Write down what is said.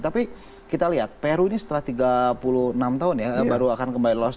tapi kita lihat peru ini setelah tiga puluh enam tahun ya baru akan kembali lolos